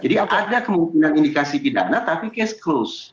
jadi ada kemungkinan indikasi pidana tapi case closed